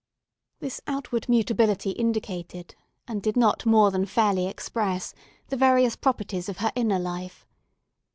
This outward mutability indicated, and did not more than fairly express, the various properties of her inner life.